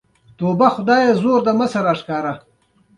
ملک شمس الدین د افغانانو له مشر څخه جنګ ونیوله.